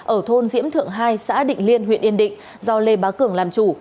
ở thôn diễm thượng hai xã định liên huyện yên định do lê bá cường làm chủ